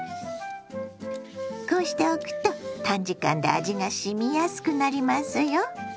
こうしておくと短時間で味がしみやすくなりますよ。